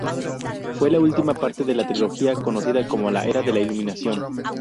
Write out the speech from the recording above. Fue la última parte de la trilogía conocida como la "Era de la Iluminación".